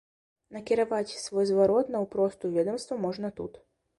Накіраваць свой зварот наўпрост у ведамства можна тут.